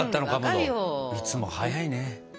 いつも早いね。